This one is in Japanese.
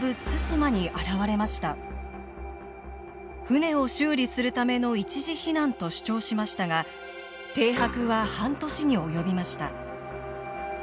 船を修理するための一時避難と主張しましたが停泊は半年に及びました。